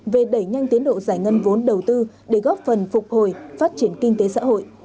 về đẩy nhanh tiến độ giải ngân vốn đầu tư để góp phần phục hồi phát triển kinh tế xã hội